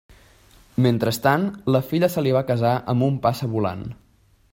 Mentrestant, la filla se li va casar amb un passavolant.